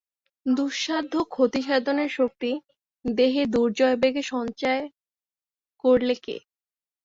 দুঃসাধ্য ক্ষতিসাধনের শক্তি দেহে দুর্জয়বেগে সঞ্চার করলে কে?